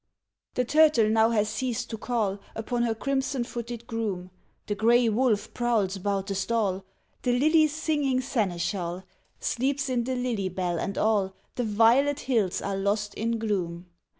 The turtle now has ceased to call Upon her crimson footed groom, The grey wolf prowls about the stall, The lily's singing seneschal Sleeps in the lily bell, and all The violet hills are lost in gloom.